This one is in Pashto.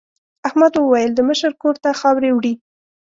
احمد وویل د مشر کور ته خاورې وړي.